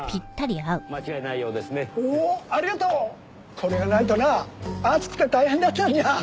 これがないとな熱くて大変だったんじゃ。